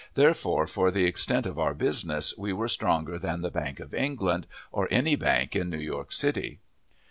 Therefore, for the extent of our business, we were stronger than the Bank of England, or any bank in New York City.